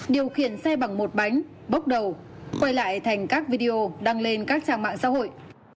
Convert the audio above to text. điều khiển xe bằng một bánh bốc đầu quay lại thành các video đăng lên các trang mạng xã hội